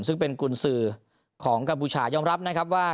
ซึ่งเป็นกุญสือของกัมพูชายอมรับนะครับว่า